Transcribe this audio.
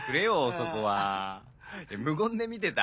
そこは無言で見てた？